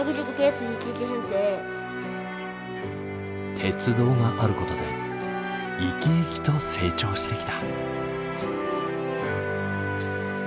鉄道があることで生き生きと成長してきた。